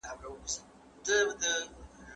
د ځنځیر یوه کړۍ مهمه ده.